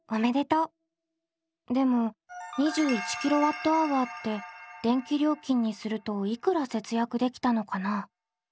でも２１ｋＷｈって電気料金にするといくら節約できたのかな？